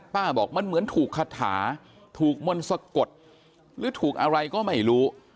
บอกมันเหมือนถูกคาถาถูกมนต์สะกดหรือถูกอะไรก็ไม่รู้